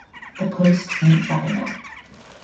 The post went viral.